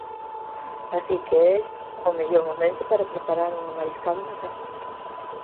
Así que é o mellor momento para preparar unha mariscada na casa.